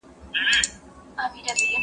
زه به اوږده موده انځور ليدلی وم؟